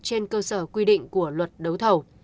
trên cơ sở quy định của luật đấu thầu